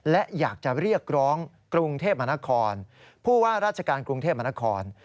และอยากจะเรียกร้องกรุงเทพมหานครผู้ว่าราชการกรุงเทพมนคร